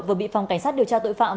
vừa bị phòng cảnh sát điều tra tội phạm